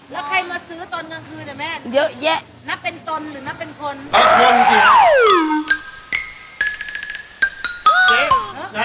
แล้วใครมาซื้อตนกลางคืนเนี่ยแม่